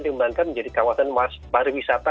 diumbangkan menjadi kawasan pariwisata